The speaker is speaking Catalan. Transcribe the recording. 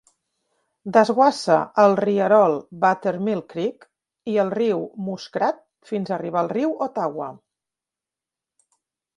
Desguassa al rierol Buttermilk Creek i el riu Muskrat fins arribar al riu Ottawa.